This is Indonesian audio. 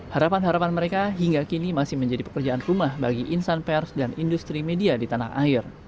harapan harapan mereka hingga kini masih menjadi pekerjaan rumah bagi insan pers dan industri media di tanah air